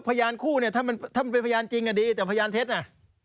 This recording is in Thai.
ก็พยานคู่ถ้ามันเป็นพยานจริงอ่ะดีแต่พยานเท็จน่ะ